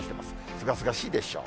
すがすがしいでしょう。